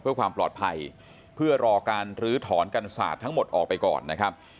เพื่อความปลอดภัยเพื่อรอการลื้อถอนกันศาสตร์ทั้งหมดออกไปก่อนนะครับ